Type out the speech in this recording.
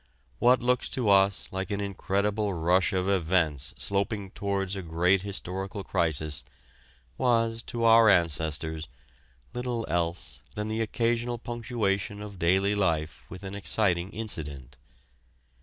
What looks to us like an incredible rush of events sloping towards a great historical crisis was to our ancestors little else than the occasional punctuation of daily life with an exciting incident.